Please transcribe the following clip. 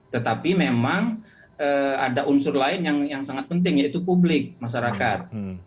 tetapi memang ada unsur lain yang sangat penting yaitu publik masyarakat